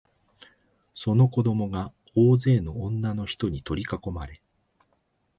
その子供が大勢の女のひとに取りかこまれ、